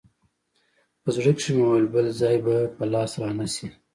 په زړه کښې مې وويل بل ځاى به په لاس را نه سې.